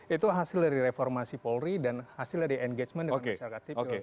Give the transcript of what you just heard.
itu hasil dari reformasi polri dan hasil dari engagement dengan masyarakat sipil